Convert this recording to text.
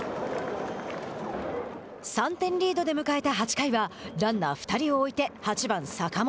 ３点リードで迎えた８回はランナー２人を置いて８番坂本。